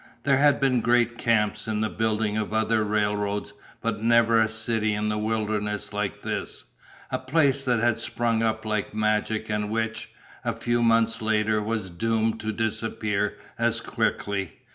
There had been great "camps" in the building of other railroads, but never a city in the wilderness like this a place that had sprung up like magic and which, a few months later, was doomed to disappear as quickly.